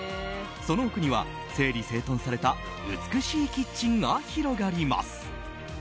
その奥には整理整頓された美しいキッチンが広がります。